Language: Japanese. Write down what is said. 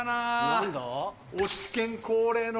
・何だ？